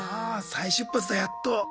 再出発だやっと。